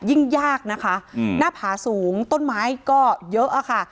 ยิ่งยากนะคะหน้าผาสูงต้นไม้ก็เยอะอะค่ะ